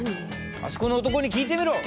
あそこの男に聞いてみろ！